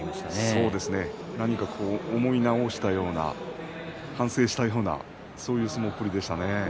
そうですね何か、思い直したような反省したようなそういう相撲っぷりでしたね。